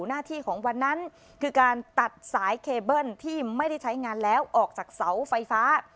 หน้าที่ของวันนั้นคือการตัดสายเคเบิ้ลที่ไม่ได้ใช้งานแล้วออกจากเสาไฟฟ้า